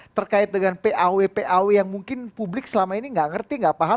terkait dengan paw paw yang mungkin publik selama ini nggak ngerti nggak paham